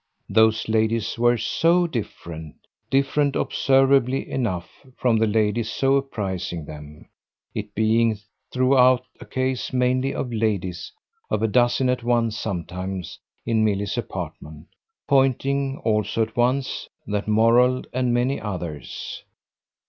Those ladies were "so different" different, observably enough, from the ladies so appraising them; it being throughout a case mainly of ladies, of a dozen at once sometimes, in Milly's apartment, pointing, also at once, that moral and many others.